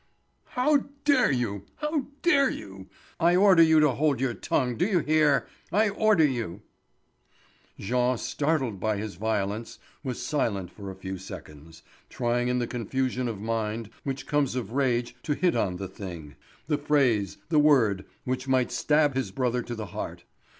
"How dare you? How dare you? I order you to hold your tongue—do you hear? I order you." Jean, startled by his violence, was silent for a few seconds, trying in the confusion of mind which comes of rage to hit on the thing, the phrase, the word, which might stab his brother to the heart.